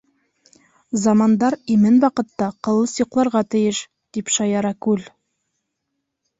- Замандар имен ваҡытта ҡылыс йоҡларға тейеш, - тип шаяра күл.